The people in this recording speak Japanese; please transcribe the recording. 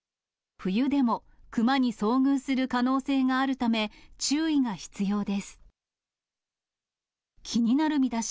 冬でも熊に遭遇する可能性があるため、注意が必要です。